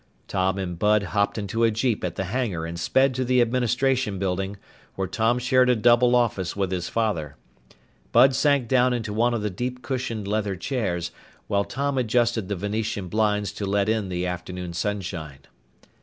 Tom and Bud hopped into a jeep at the hangar and sped to the Administration Building, where Tom shared a double office with his father. Bud sank down into one of the deep cushioned leather chairs, while Tom adjusted the Venetian blinds to let in the afternoon sunshine.